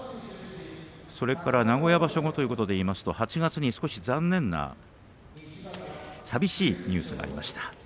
それから名古屋場所後ということでいうと８月に少し残念な寂しいニュースがありました。